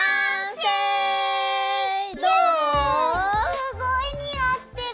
すごい似合ってる！